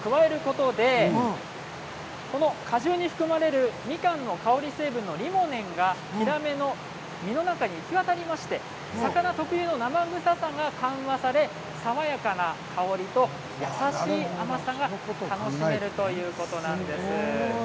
山口県の萩市産の夏みかんの成分を加えることで夏みかんの果汁成分のリモネンがヒラメの身の中に行き渡りまして魚の生臭さが緩和されて爽やかな香りと優しい甘さが楽しめるということなんです。